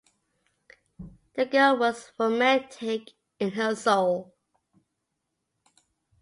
The girl was romantic in her soul.